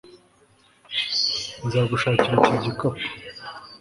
Nzagushakira iki gikapu